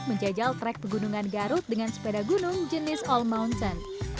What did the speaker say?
menjajal trek pegunungan garut dengan sepeda gunung jenis all mountain